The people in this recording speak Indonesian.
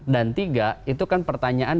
nah segmen dua dan tiga itu kan pertanyaannya